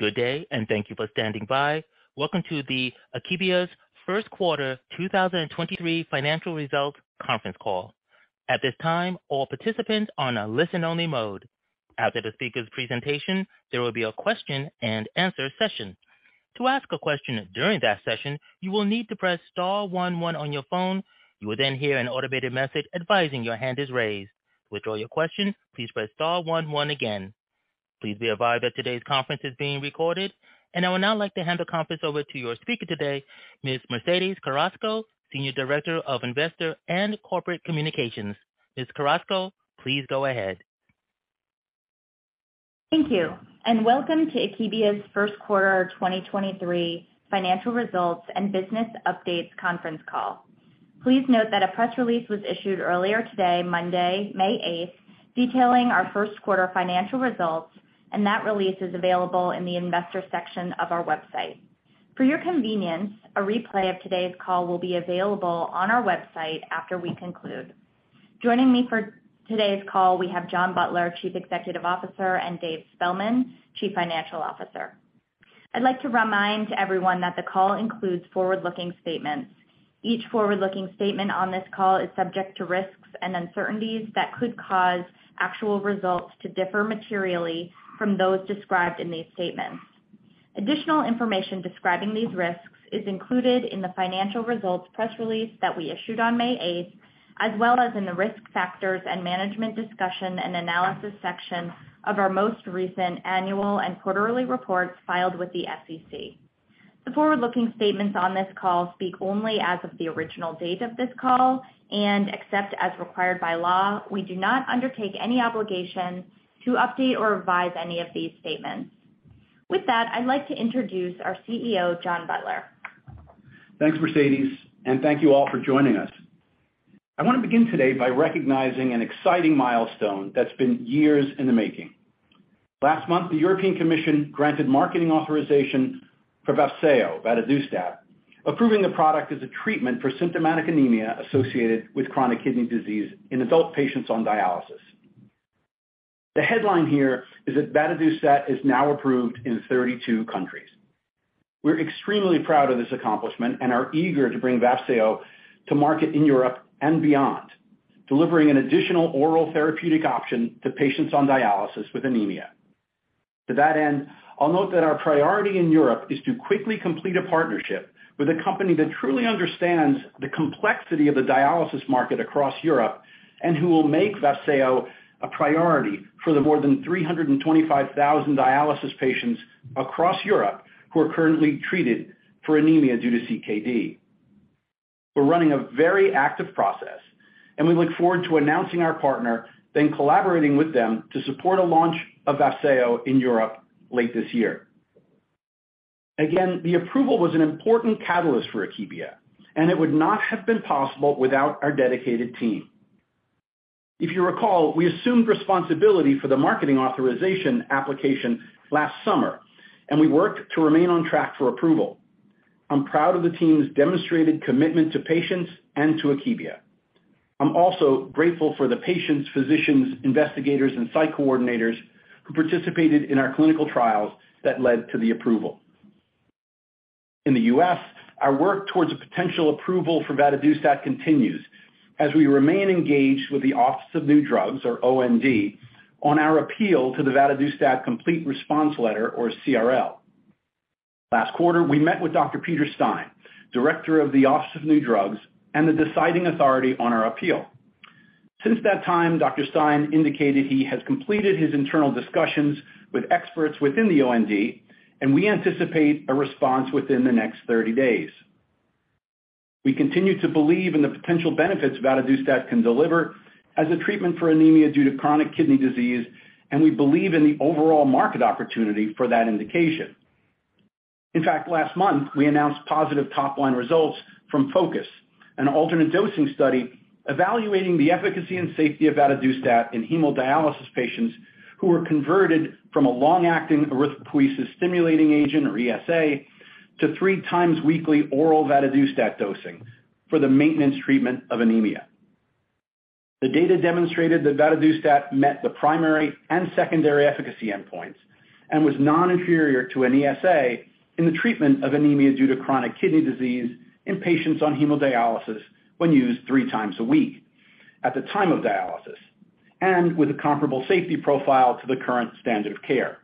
Good day, thank you for standing by. Welcome to Akebia's First Quarter 2023 Financial Results conference call. At this time, all participants are on a listen-only mode. After the speaker's presentation, there will be a question-and-answer session. To ask a question during that session, you will need to press star one one on your phone. You will hear an automated message advising your hand is raised. To withdraw your question, please press star one one again. Please be advised that today's conference is being recorded. I would now like to hand the conference over to your speaker today, Ms. Mercedes Carrasco, Senior Director of Investor and Corporate Communications. Ms. Carrasco, please go ahead. Thank you. Welcome to Akebia's First Quarter 2023 Financial Results and Business Updates conference call. Please note that a press release was issued earlier today, Monday, May 8th, detailing our First Quarter financial results, and that release is available in the investor section of our website. For your convenience, a replay of today's call will be available on our website after we conclude. Joining me for today's call, we have John Butler, Chief Executive Officer, and David Spellman, Chief Financial Officer. I'd like to remind everyone that the call includes forward-looking statements. Each forward-looking statement on this call is subject to risks and uncertainties that could cause actual results to differ materially from those described in these statements. Additional information describing these risks is included in the financial results press release that we issued on May 8th, as well as in the Risk Factors and Management Discussion and Analysis section of our most recent annual and quarterly reports filed with the SEC. The forward-looking statements on this call speak only as of the original date of this call. Except as required by law, we do not undertake any obligation to update or revise any of these statements. With that, I'd like to introduce our CEO, John Butler. Thanks, Mercedes. Thank you all for joining us. I wanna begin today by recognizing an exciting milestone that's been years in the making. Last month, the European Commission granted marketing authorization for VAFSEO, vadadustat, approving the product as a treatment for symptomatic anemia associated with chronic kidney disease in adult patients on dialysis. The headline here is that vadadustat is now approved in 32 countries. We're extremely proud of this accomplishment and are eager to bring VAFSEO to market in Europe and beyond, delivering an additional oral therapeutic option to patients on dialysis with anemia. To that end, I'll note that our priority in Europe is to quickly complete a partnership with a company that truly understands the complexity of the dialysis market across Europe and who will make Vafseo a priority for the more than 325,000 dialysis patients across Europe who are currently treated for anemia due to CKD. We're running a very active process, and we look forward to announcing our partner, then collaborating with them to support a launch of Vafseo in Europe late this year. The approval was an important catalyst for Akebia, and it would not have been possible without our dedicated team. If you recall, we assumed responsibility for the marketing authorisation application last summer, and we worked to remain on track for approval. I'm proud of the team's demonstrated commitment to patients and to Akebia. I'm also grateful for the patients, physicians, investigators, and site coordinators who participated in our clinical trials that led to the approval. In the U.S., our work towards a potential approval for vadadustat continues as we remain engaged with the Office of New Drugs, or OND, on our appeal to the vadadustat Complete Response Letter, or CRL. Last quarter, we met with Dr. Peter Stein, Director of the Office of New Drugs and the deciding authority on our appeal. Since that time, Dr. Stein indicated he has completed his internal discussions with experts within the OND, and we anticipate a response within the next 30 days. We continue to believe in the potential benefits vadadustat can deliver as a treatment for anemia due to chronic kidney disease, and we believe in the overall market opportunity for that indication. In fact, last month we announced positive top-line results from FO2CUS, an alternate dosing study evaluating the efficacy and safety of vadadustat in hemodialysis patients who were converted from a long-acting erythropoiesis-stimulating agent, or ESA, to 3x weekly oral vadadustat dosing for the maintenance treatment of anemia. The data demonstrated that vadadustat met the primary and secondary efficacy endpoints and was non-inferior to an ESA in the treatment of anemia due to chronic kidney disease in patients on hemodialysis when used 3x a week at the time of dialysis and with a comparable safety profile to the current standard of care.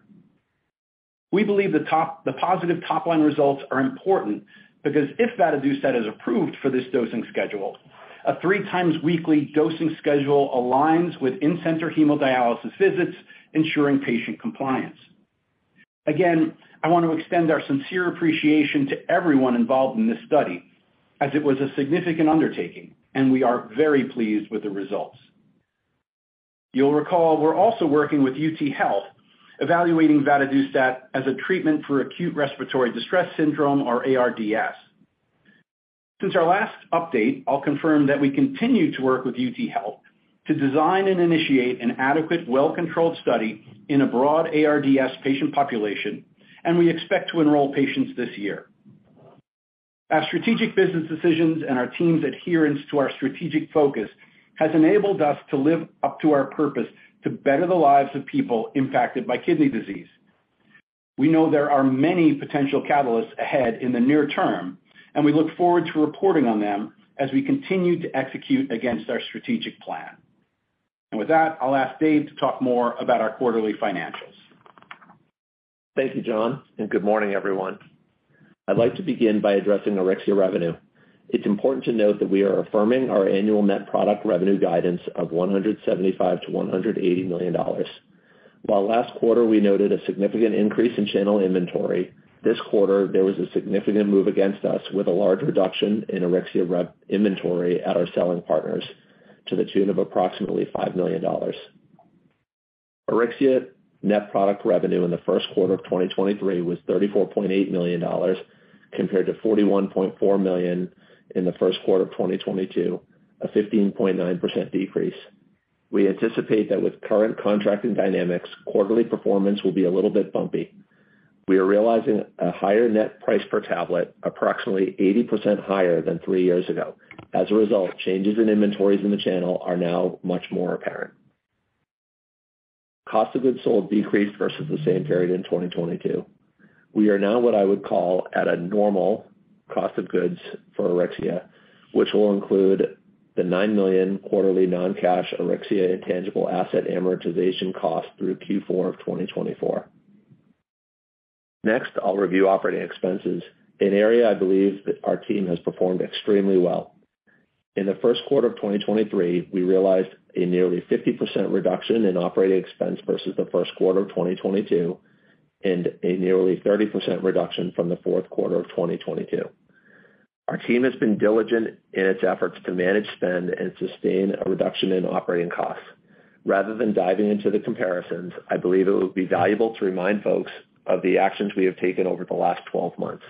We believe the positive top-line results are important because if vadadustat is approved for this dosing schedule, a 3x weekly dosing schedule aligns with in-center hemodialysis visits, ensuring patient compliance. Again, I want to extend our sincere appreciation to everyone involved in this study as it was a significant undertaking, and we are very pleased with the results. You'll recall we're also working with UT Health, evaluating vadadustat as a treatment for acute respiratory distress syndrome, or ARDS. Since our last update, I'll confirm that we continue to work with UT Health to design and initiate an adequate, well-controlled study in a broad ARDS patient population, and we expect to enroll patients this year. Our strategic business decisions and our team's adherence to our strategic focus has enabled us to live up to our purpose to better the lives of people impacted by kidney disease. We know there are many potential catalysts ahead in the near term, and we look forward to reporting on them as we continue to execute against our strategic plan. With that, I'll ask Dave to talk more about our quarterly financials. Thank you, John. Good morning, everyone. I'd like to begin by addressing Auryxia revenue. It's important to note that we are affirming our annual net product revenue guidance of $175 million-$180 million. While last quarter we noted a significant increase in channel inventory, this quarter there was a significant move against us with a large reduction in Auryxia rev inventory at our selling partners to the tune of approximately $5 million. Auryxia net product revenue in the first quarter of 2023 was $34.8 million compared to $41.4 million in the first quarter of 2022, a 15.9% decrease. We anticipate that with current contracting dynamics, quarterly performance will be a little bit bumpy. We are realizing a higher net price per tablet, approximately 80% higher than three years ago. As a result, changes in inventories in the channel are now much more apparent. Cost of goods sold decreased versus the same period in 2022. We are now what I would call at a normal cost of goods for Auryxia, which will include the $9 million quarterly non-cash Auryxia intangible asset amortization cost through Q4 of 2024. Next, I'll review operating expenses, an area I believe that our team has performed extremely well. In the first quarter of 2023, we realized a nearly 50% reduction in operating expense versus the first quarter of 2022 and a nearly 30% reduction from the fourth quarter of 2022. Our team has been diligent in its efforts to manage, spend, and sustain a reduction in operating costs. Rather than diving into the comparisons, I believe it would be valuable to remind folks of the actions we have taken over the last 12 months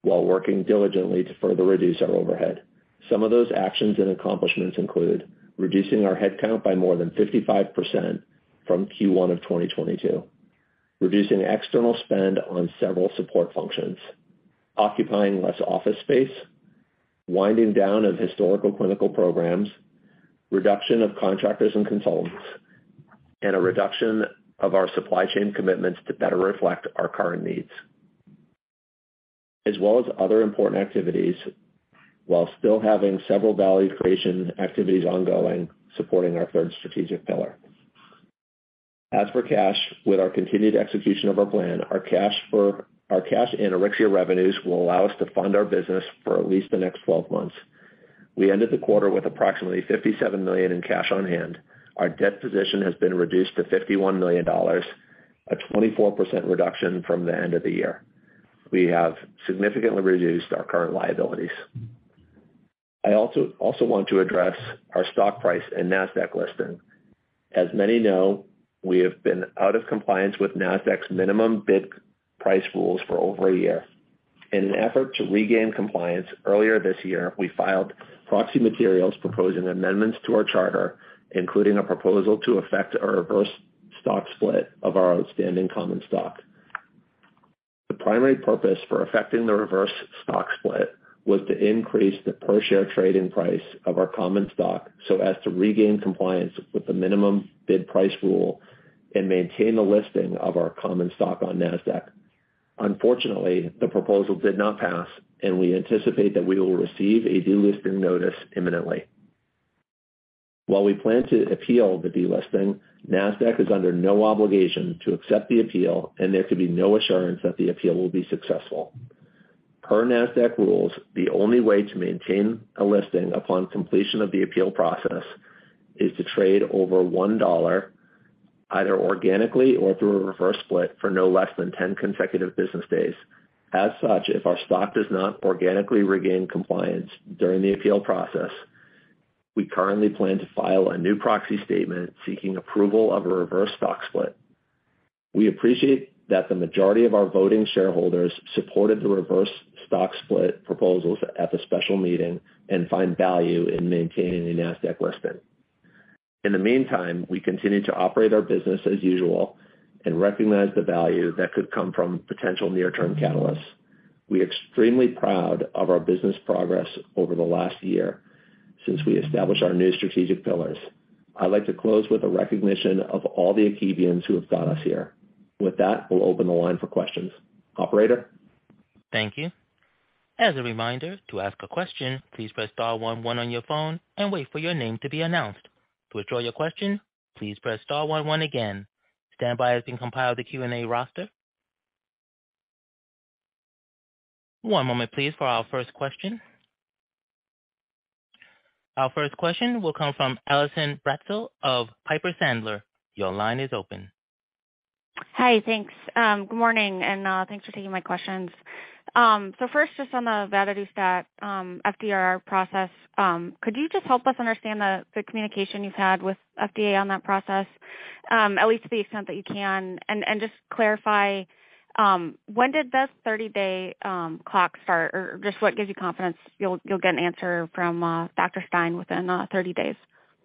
while working diligently to further reduce our overhead. Some of those actions and accomplishments include reducing our headcount by more than 55% from Q1 of 2022, reducing external spend on several support functions, occupying less office space, winding down of historical clinical programs, reduction of contractors and consultants, and a reduction of our supply chain commitments to better reflect our current needs, as well as other important activities while still having several value creation activities ongoing, supporting our third strategic pillar. As for cash, with our continued execution of our plan, our cash and Auryxia revenues will allow us to fund our business for at least the next 12 months. We ended the quarter with approximately $57 million in cash on hand. Our debt position has been reduced to $51 million, a 24% reduction from the end of the year. We have significantly reduced our current liabilities. I also want to address our stock price and Nasdaq listing. As many know, we have been out of compliance with Nasdaq's minimum bid price rules for over a year. In an effort to regain compliance, earlier this year, we filed proxy materials proposing amendments to our charter, including a proposal to affect a reverse stock split of our outstanding common stock. The primary purpose for affecting the reverse stock split was to increase the per-share trading price of our common stock so as to regain compliance with the minimum bid price rule and maintain the listing of our common stock on Nasdaq. Unfortunately, the proposal did not pass. We anticipate that we will receive a delisting notice imminently. While we plan to appeal the delisting, Nasdaq is under no obligation to accept the appeal. There could be no assurance that the appeal will be successful. Per Nasdaq rules, the only way to maintain a listing upon completion of the appeal process is to trade over $1, either organically or through a reverse split, for no less than 10 consecutive business days. If our stock does not organically regain compliance during the appeal process, we currently plan to file a new proxy statement seeking approval of a reverse stock split. We appreciate that the majority of our voting shareholders supported the reverse stock split proposals at the special meeting and find value in maintaining a Nasdaq listing. In the meantime, we continue to operate our business as usual and recognize the value that could come from potential near-term catalysts. We extremely proud of our business progress over the last year since we established our new strategic pillars. I'd like to close with a recognition of all the Akebians who have got us here. With that, we'll open the line for questions. Operator? Thank you. As a reminder, to ask a question, please press star one one on your phone and wait for your name to be announced. To withdraw your question, please press star one one again. Standby as we compile the Q&A roster. One moment, please, for our first question. Our first question will come from Allison Bratzel of Piper Sandler. Your line is open. Hi. Thanks. Good morning, thanks for taking my questions. First, just on the vadadustat FDR process, could you just help us understand the communication you've had with FDA on that process, at least to the extent that you can? Just clarify, when did this 30-day clock start? Or just what gives you confidence you'll get an answer from Dr. Stein within 30 days?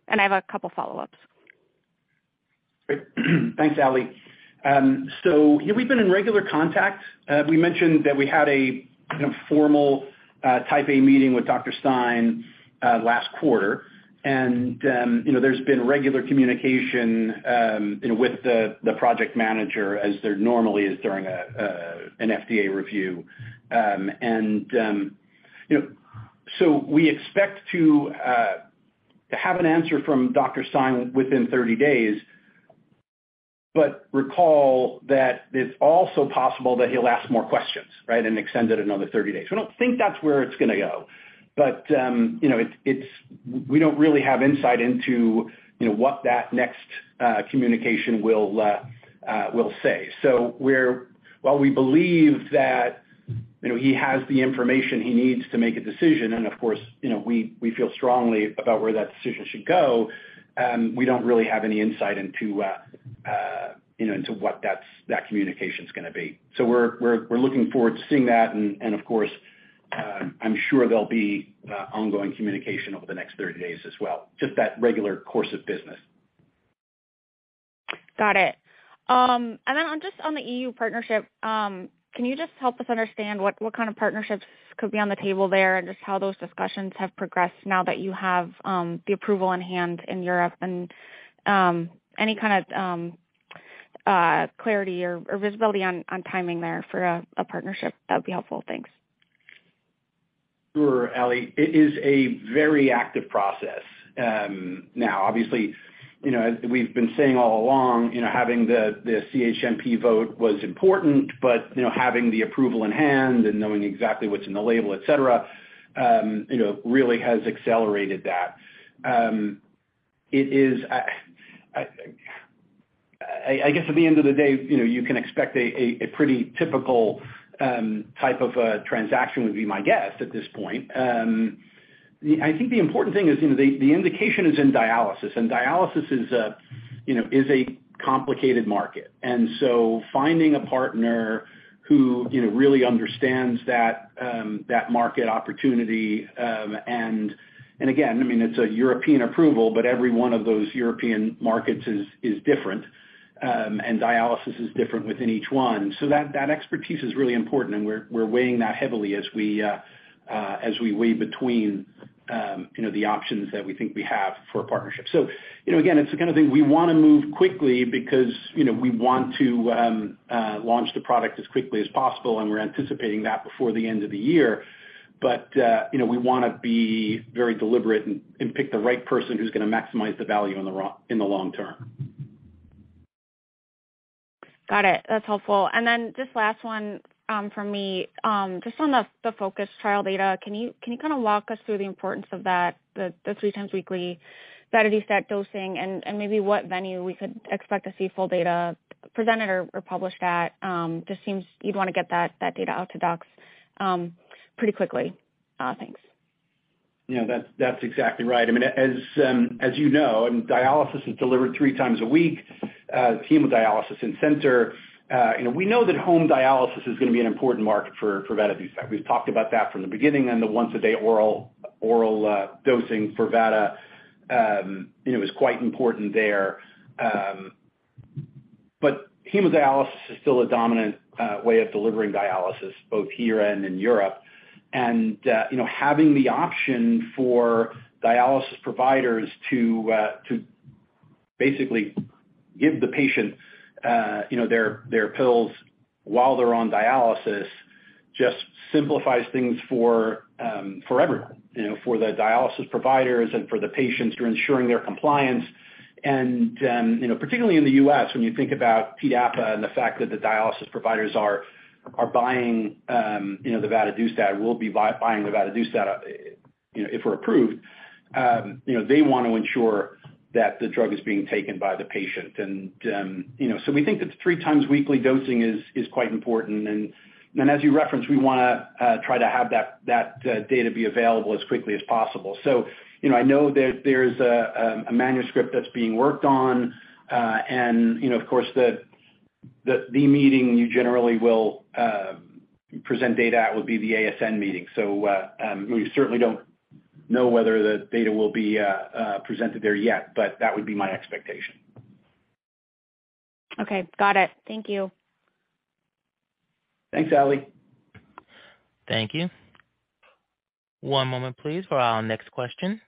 I have a couple follow-ups. Great. Thanks, Ali. We've been in regular contact. We mentioned that we had a, you know, formal Type A meeting with Dr. Stein last quarter. You know, there's been regular communication, you know, with the project manager as there normally is during an FDA review. We expect to have an answer from Dr. Stein within 30 days, but recall that it's also possible that he'll ask more questions, right, and extend it another 30 days. We don't think that's where it's gonna go, you know, we don't really have insight into, you know, what that next communication will say. While we believe that, you know, he has the information he needs to make a decision, and of course, you know, we feel strongly about where that decision should go, we don't really have any insight into what that communication's gonna be. We're looking forward to seeing that. Of course, I'm sure there'll be ongoing communication over the next 30 days as well, just that regular course of business. Got it. Just on the EU partnership, can you just help us understand what kind of partnerships could be on the table there and just how those discussions have progressed now that you have the approval on hand in Europe and any kind of clarity or visibility on timing there for a partnership? That would be helpful. Thanks. Sure, Ali. It is a very active process. Obviously, you know, as we've been saying all along, you know, having the CHMP vote was important, having the approval in hand and knowing exactly what's in the label, et cetera, you know, really has accelerated that. I guess at the end of the day, you know, you can expect a pretty typical type of a transaction would be my guess at this point. I think the important thing is, you know, the indication is in dialysis is a, you know, is a complicated market. Finding a partner who, you know, really understands that market opportunity, and again, I mean, it's a European approval, but every one of those European markets is different, and dialysis is different within each one. That expertise is really important, and we're weighing that heavily as we weigh between, you know, the options that we think we have for a partnership. You know, again, it's the kind of thing we wanna move quickly because, you know, we want to launch the product as quickly as possible, and we're anticipating that before the end of the year. You know, we wanna be very deliberate and pick the right person who's gonna maximize the value in the long term. Got it. That's helpful. Then just last one from me, just on the FO2CUS trial data, can you kind of walk us through the importance of that, the 3x weekly vadadustat dosing and maybe what venue we could expect to see full data presented or published at? Just seems you'd want to get that data out to docs pretty quickly. Thanks. Yeah, that's exactly right. I mean, as you know, dialysis is delivered 3x a week, hemodialysis in center. You know, we know that home dialysis is gonna be an important market for vadadustat. We've talked about that from the beginning. The once a day oral dosing for vada, you know, is quite important there. Hemodialysis is still a dominant way of delivering dialysis both here and in Europe. You know, having the option for dialysis providers to basically give the patient, you know, their pills while they're on dialysis just simplifies things for everyone, you know, for the dialysis providers and for the patients. You're ensuring their compliance, you know, particularly in the U.S., when you think about TDAPA and the fact that the dialysis providers are buying, you know, the vadadustat, will be buying the vadadustat, you know, if we're approved, you know, they want to ensure that the drug is being taken by the patient. We think that the 3x weekly dosing is quite important. As you referenced, we wanna try to have that data be available as quickly as possible. I know that there is a manuscript that's being worked on. You know, of course the meeting you generally will present data at would be the ASN meeting. We certainly don't know whether the data will be presented there yet, but that would be my expectation. Okay. Got it. Thank you. Thanks, Ali. Thank you. One moment please for our next question.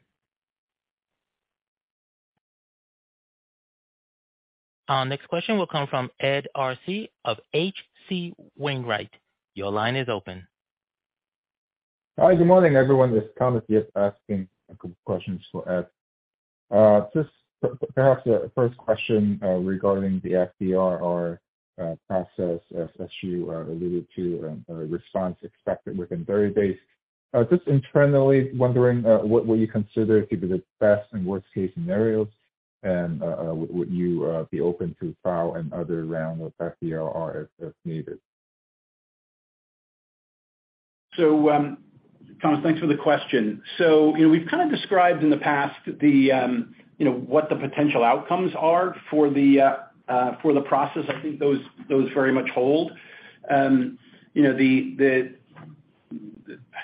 Our next question will come from Ed Arce of H.C. Wainwright & Co. Your line is open. Hi, good morning, everyone. This is Thomas Yip asking a couple questions for Ed. Just perhaps the first question regarding the FDRR process as you alluded to, a response expected within 30 days. Just internally wondering what would you consider to be the best and worst case scenarios? Would you be open to file another round of FDRR if needed? Thomas, thanks for the question. You know, we've kind of described in the past the, you know, what the potential outcomes are for the process. I think those very much hold. The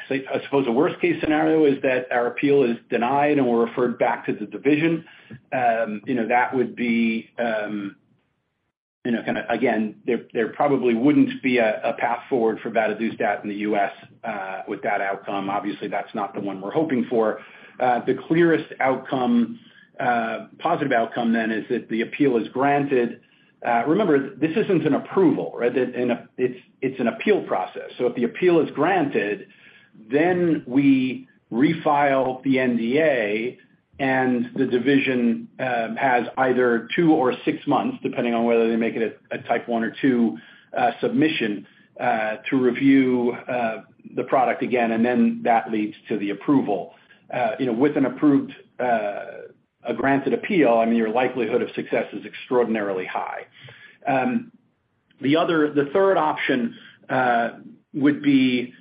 I suppose the worst case scenario is that our appeal is denied and we're referred back to the division. That would be, you know, kinda again, there probably wouldn't be a path forward for vadadustat in the U.S., with that outcome. Obviously, that's not the one we're hoping for. The clearest outcome, positive outcome, then is that the appeal is granted. Remember, this isn't an approval, right? It's an appeal process. If the appeal is granted, then we refile the NDA, and the division has either two or six months, depending on whether they make it a type 1 or 2 submission to review the product again, and then that leads to the approval. You know, with an approved, a granted appeal, I mean, your likelihood of success is extraordinarily high. The third option would be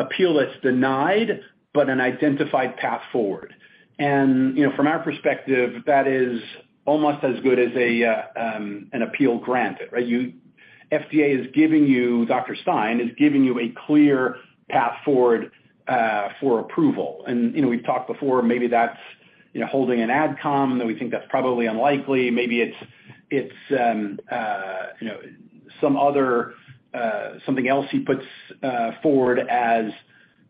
an appeal that's denied, but an identified path forward. You know, from our perspective, that is almost as good as a, an appeal granted, right? FDA is giving you, Dr. Stein, is giving you a clear path forward for approval. You know, we've talked before, maybe that's, you know, holding an AdCom, though we think that's probably unlikely. Maybe it's, you know, some other, something else he puts, forward as,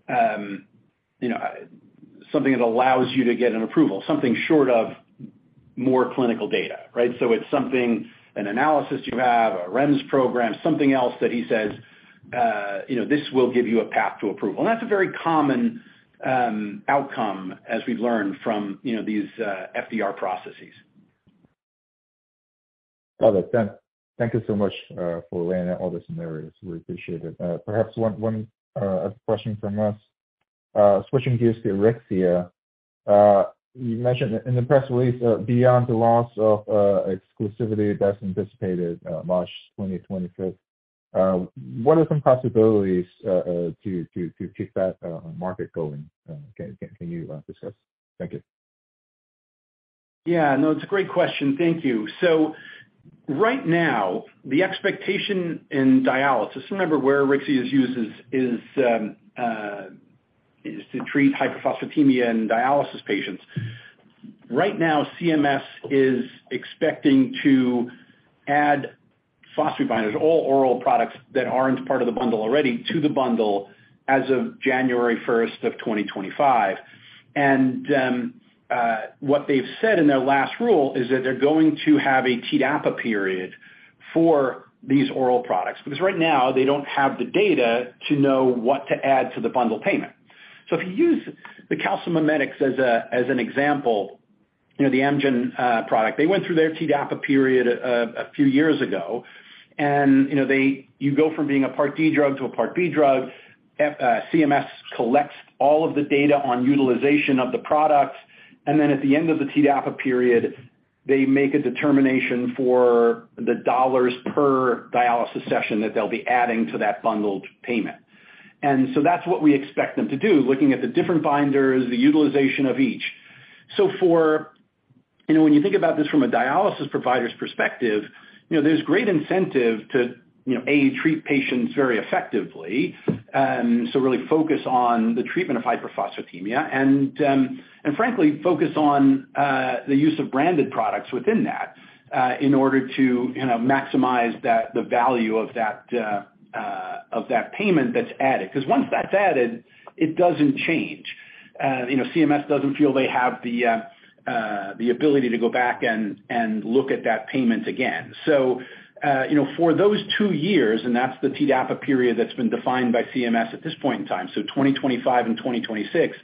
you know, something that allows you to get an approval, something short of more clinical data, right? It's something, an analysis you have, a REMS program, something else that he says, you know, this will give you a path to approval. That's a very common, outcome as we've learned from, you know, these, FDR processes. Got it. Thank you so much for laying out all the scenarios. We appreciate it. Perhaps one question from us. Switching gears to Auryxia. You mentioned in the press release, beyond the loss of exclusivity that's anticipated, March 25th, 2025, what are some possibilities to keep that market going? Can you discuss? Thank you. Yeah, no, it's a great question. Thank you. Right now, the expectation in dialysis, remember where Auryxia is used, is to treat hyperphosphatemia in dialysis patients. Right now, CMS is expecting to add phosphate binders, all oral products that aren't part of the bundle already, to the bundle as of January 1, 2025. What they've said in their last rule is that they're going to have a TDAPA period for these oral products, because right now they don't have the data to know what to add to the bundle payment. If you use the calcimimetics as an example, you know, the Amgen product, they went through their TDAPA period a few years ago, and, you know, you go from being a Part D drug to a Part B drug. CMS collects all of the data on utilization of the products, and then at the end of the TDAPA period, they make a determination for the dollars per dialysis session that they'll be adding to that bundled payment. That's what we expect them to do, looking at the different binders, the utilization of each. For, you know, when you think about this from a dialysis provider's perspective, you know, there's great incentive to, you know, A, treat patients very effectively, so really focus on the treatment of hyperphosphatemia and, frankly, focus on the use of branded products within that, in order to, you know, maximize that, the value of that, of that payment that's added. 'Cause once that's added, it doesn't change. you know, CMS doesn't feel they have the ability to go back and look at that payment again. you know, for those two years, and that's the TDAPA period that's been defined by CMS at this point in time, so 2025 and 2026,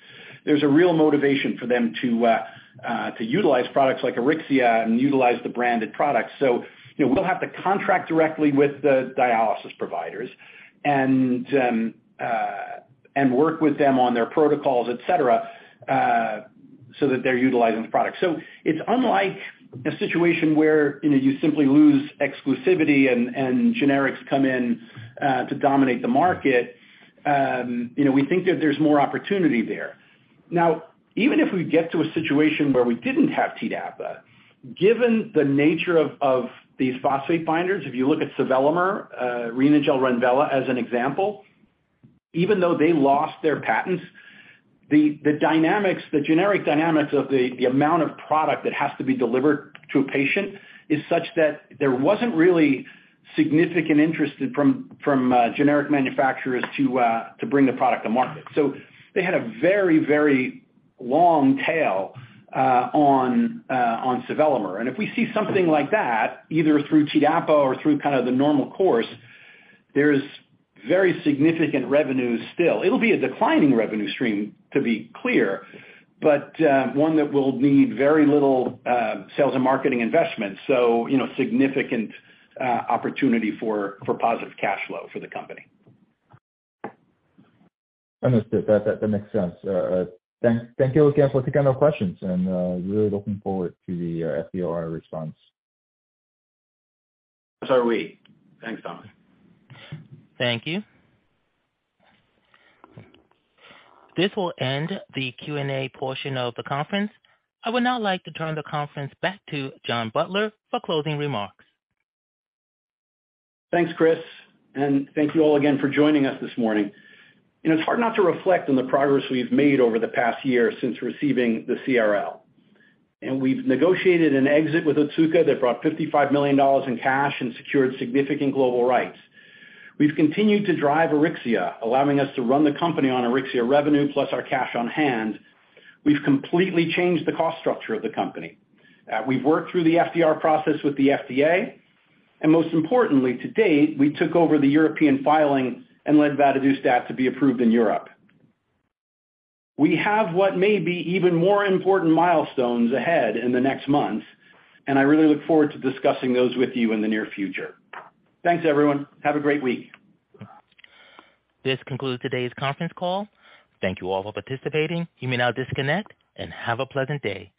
there's a real motivation for them to utilize products like Auryxia and utilize the branded products. you know, we'll have to contract directly with the dialysis providers and work with them on their protocols, et cetera, so that they're utilizing the product. It's unlike a situation where, you know, you simply lose exclusivity and generics come in to dominate the market, you know, we think that there's more opportunity there. Even if we get to a situation where we didn't have TDAPA, given the nature of these phosphate binders, if you look at sevelamer, Renagel, Renvela, as an example, even though they lost their patents, the dynamics, the generic dynamics of the amount of product that has to be delivered to a patient is such that there wasn't really significant interest from generic manufacturers to bring the product to market. They had a very long tail on sevelamer. If we see something like that, either through TDAPA or through kinda the normal course, there's very significant revenue still. It'll be a declining revenue stream, to be clear, but one that will need very little sales and marketing investment. You know, significant opportunity for positive cash flow for the company. Understood. That makes sense. Thank you again for taking our questions, really looking forward to the FDR response. Are we. Thanks, Tom. Thank you. This will end the Q&A portion of the conference. I would now like to turn the conference back to John Butler for closing remarks. Thanks, Chris. Thank you all again for joining us this morning. You know, it's hard not to reflect on the progress we've made over the past year since receiving the CRL. We've negotiated an exit with Otsuka that brought $55 million in cash and secured significant global rights. We've continued to drive Auryxia, allowing us to run the company on Auryxia revenue plus our cash on hand. We've completely changed the cost structure of the company. We've worked through the FDR process with the FDA. Most importantly, to date, we took over the European filing and led vadadustat to be approved in Europe. We have what may be even more important milestones ahead in the next months. I really look forward to discussing those with you in the near future. Thanks, everyone. Have a great week. This concludes today's conference call. Thank you all for participating. You may now disconnect and have a pleasant day.